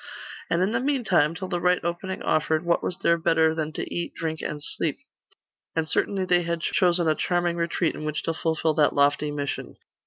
And in the meantime, till the right opening offered, what was there better than to eat, drink, and sleep? And certainly they had chosen a charming retreat in which to fulfil that lofty mission.